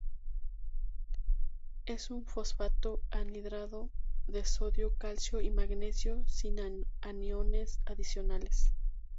Es un fosfato anhidro de sodio, calcio y magnesio sin aniones adicionales.